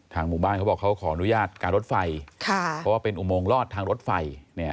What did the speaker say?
หมู่บ้านเขาบอกเขาขออนุญาตการรถไฟเพราะว่าเป็นอุโมงลอดทางรถไฟ